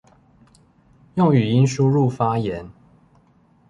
用語音輸入發言